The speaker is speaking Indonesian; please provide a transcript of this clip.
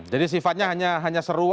jadi sifatnya hanya seru